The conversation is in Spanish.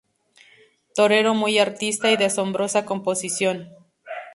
Torero muy artista y de asombrosa composición.